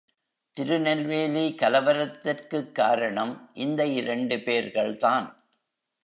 திருநெல்வேலி கலவரத்திற்குக் காரணம் இந்த இரண்டு பேர்கள்தான்.